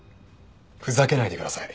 ふざけないでください。